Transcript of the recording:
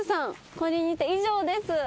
これにて以上です。